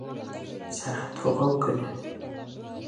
Сәғәт һуғыу көнө